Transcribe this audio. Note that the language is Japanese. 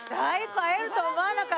会えるとは思わなかった。